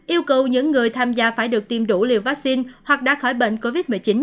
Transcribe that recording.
yêu cầu những người tham gia phải được tiêm đủ liều vaccine hoặc đã khỏi bệnh covid một mươi chín